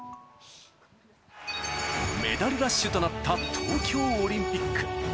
メダルラッシュとなった東京オリンピック。